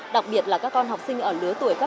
đặc biệt là các con học sinh ở lứa tuổi cấp